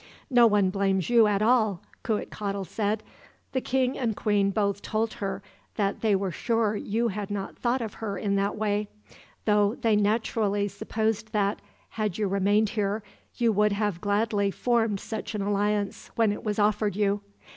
"No one blames you at all," Cuitcatl said. "The king and queen both told her that they were sure you had not thought of her in that way; though they naturally supposed that, had you remained here, you would have gladly formed such an alliance when it was offered you.